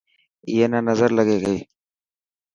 اي نا نظر لگي گئي.